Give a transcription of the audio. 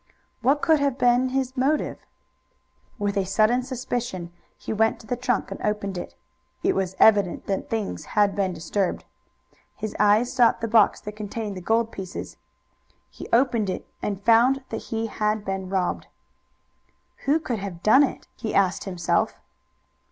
What could have been his motive? With sudden suspicion he went to the trunk and opened it. It was evident that things had been disturbed. His eyes sought the box that contained the gold pieces. He opened it, and found that he had been robbed. "Who could have done it?" he asked himself.